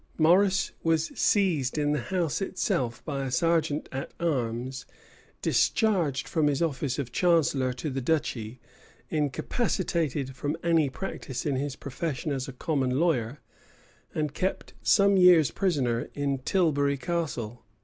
Morrice was seized in the house itself by a serjeant at arms, discharged from his office of chancellor of the duchy, incapacitated from any practice in his profession as a common lawyer, and kept some years prisoner in Tilbury Castle.